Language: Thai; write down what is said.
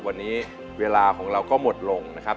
วันนี้เวลาของเราก็หมดลงนะครับ